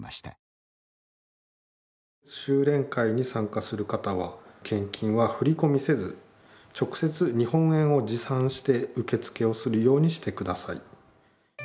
修練会に参加する方は献金は振り込みせず直接、日本円を持参して受付をするようにしてください。